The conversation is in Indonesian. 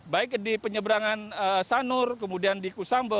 baik di penyeberangan sanur kemudian di kusambo